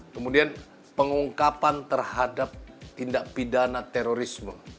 kemudian pengungkapan terhadap tindak pidana terorisme